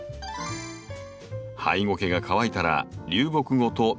ハイゴケが乾いたら流木ごと水につけます。